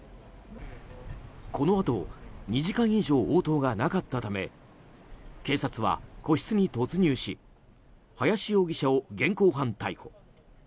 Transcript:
このあと、２時間以上応答がなかったため警察は個室に突入し林容疑者を現行犯逮捕。